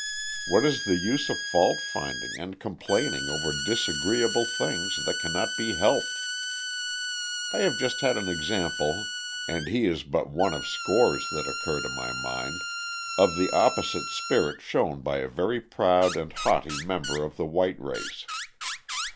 What is the use of fault finding and complaining over disagreeable things that cannot be helped? I have just had an example (and he is but one of scores that occur to my mind) of the opposite spirit shown by a very proud and haughty member of the white race.